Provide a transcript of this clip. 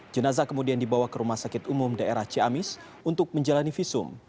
jenazah kemudian dibawa ke rumah sakit umum daerah ciamis untuk menjalani visum